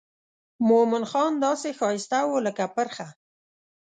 مومن خان داسې ښایسته و لکه پرخه.